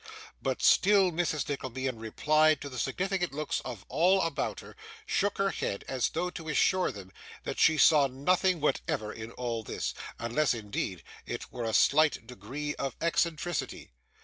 But still Mrs. Nickleby, in reply to the significant looks of all about her, shook her head as though to assure them that she saw nothing whatever in all this, unless, indeed, it were a slight degree of eccentricity.